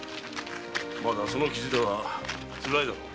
まだその傷ではつらいだろう。